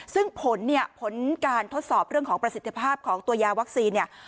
ซึ่งผลเนี่ยผลการทดสอบเรื่องของประสิทธิภาพของตัวยาวัคซีนเนี่ย